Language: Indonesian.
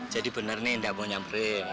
jadi benar nih enggak mau nyamperin